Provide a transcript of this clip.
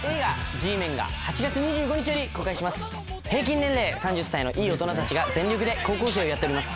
平均年齢３０歳のいい大人たちが全力で高校生をやっております。